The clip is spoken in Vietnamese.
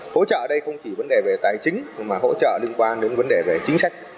hỗ trợ ở đây không chỉ vấn đề về tài chính mà hỗ trợ liên quan đến vấn đề về chính sách